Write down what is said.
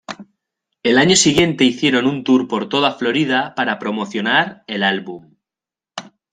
El año siguiente hicieron un tour por toda Florida para promocionar el álbum.